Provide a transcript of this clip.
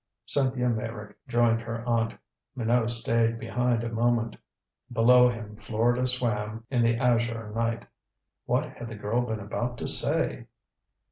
Cynthia Meyrick joined her aunt. Minot stayed behind a moment. Below him Florida swam in the azure night. What had the girl been about to say?